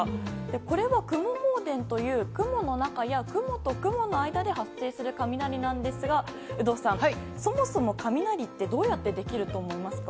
これは雲放電という、雲の中や、雲と雲の間で発生する雷なんですが、有働さん、そもそも雷ってどうやって出来ると思いますか？